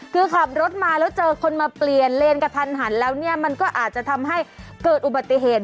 คือขับรถมาแล้วเจอคนมาเปลี่ยนเลนกระทันหันแล้วเนี่ยมันก็อาจจะทำให้เกิดอุบัติเหตุ